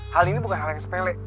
hal ini bukan hal yang sepele